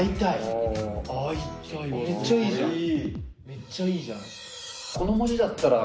めっちゃいいじゃん！